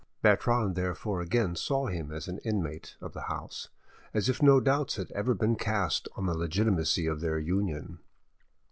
Bertrande therefore again saw him an inmate of the house, as if no doubts had ever been cast on the legitimacy of their union.